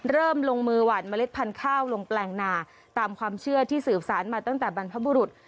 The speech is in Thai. ลงมือหวานเมล็ดพันธุ์ข้าวลงแปลงนาตามความเชื่อที่สืบสารมาตั้งแต่บรรพบุรุษ